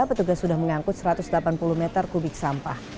petugas sudah mengangkut satu ratus delapan puluh meter kubik sampah